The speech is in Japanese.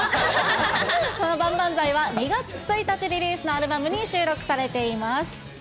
その万々歳は、２月１日リリースのアルバムに収録されています。